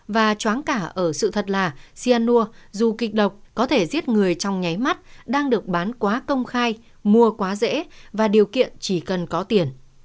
và chóng cả ở sự thật là cyanur dù kịch độc có thể giết người trong nháy mắt đang được bán quá công khai mua quá dễ và điều kiện chỉ cần có tiền